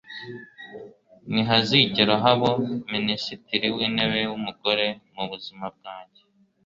Ntihazigera habo Minisitiri w’intebe w’umugore mu buzima bwanjye"